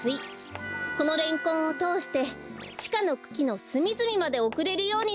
このレンコンをとおしてちかのくきのすみずみまでおくれるようになっているんです。